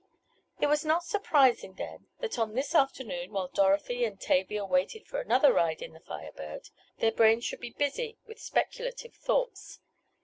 It was not surprising then that on this afternoon, while Dorothy and Tavia waited for another ride in the Fire Bird, their brains should be busy with speculative thoughts.